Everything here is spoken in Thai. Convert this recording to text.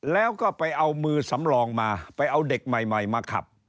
แล้วก็ไปเอามือสำรองมาไปเอาเด็กใหม่มาขับ